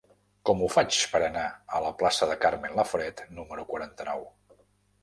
Com ho faig per anar a la plaça de Carmen Laforet número quaranta-nou?